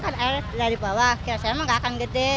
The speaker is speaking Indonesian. kan air dari bawah saya emang enggak akan gede